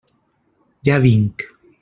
Ja vinc!